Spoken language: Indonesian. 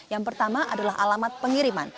yang pertama adalah alamat pengiriman